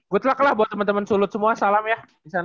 good luck lah buat temen temen sulut semua salam ya disana